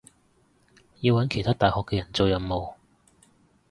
要搵其他大學嘅人做任務